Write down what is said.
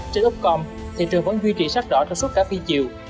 trên úc công thị trường vẫn duy trì sắc rõ trong suốt cả phi chiều